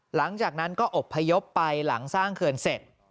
หลังจากนั้นก็อบพยพไปหลังสร้างเขื่อนเสร็จ